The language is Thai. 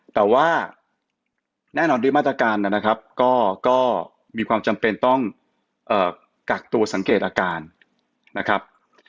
แต่ว่าแน่นอนด้วยมาตรการนะครับก็มีความจำเป็นต้องกักตัวสังเกตอาการนะครับ